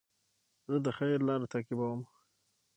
زه د خیر لاره تعقیبوم.